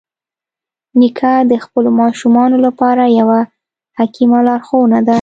نیکه د خپلو ماشومانو لپاره یوه حکیمه لارښوونه ده.